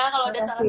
kalau ada salah salah